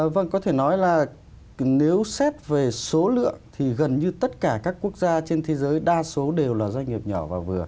vâng có thể nói là nếu xét về số lượng thì gần như tất cả các quốc gia trên thế giới đa số đều là doanh nghiệp nhỏ và vừa